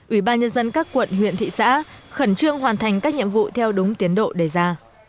ủy ban nhân dân các quận huyện thị xã khẩn trương hoàn thành các nhiệm vụ theo đúng tiến độ đề ra